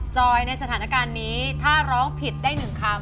ซอยในสถานการณ์นี้ถ้าร้องผิดได้๑คำ